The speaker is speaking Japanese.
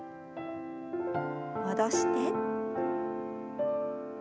戻して。